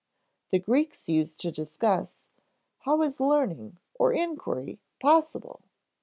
The Greeks used to discuss: "How is learning (or inquiry) possible?